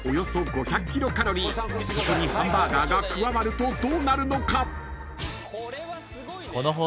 ［そこにハンバーガーが加わるとどうなるのか？］